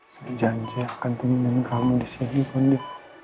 saya janji akan teman teman kamu di sini bunda